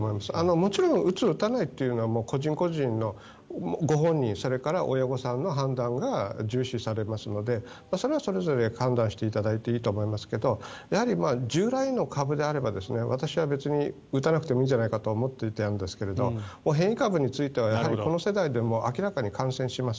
もちろん打つ、打たないというのはご本人それから親御さんの判断が重視されますのでそれはそれぞれ判断していただいていいと思いますがやはり従来の株であれば私は別に打たなくてもいいんじゃないかと思っていたんですが変異株についてはやはり、この世代でも明らかに感染します。